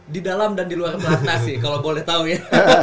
di dalam dan di luar platnas sih kalau boleh tau ya